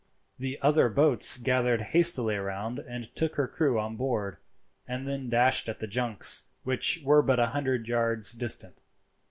The other boats gathered hastily round and took her crew on board, and then dashed at the junks, which were but a hundred yards distant.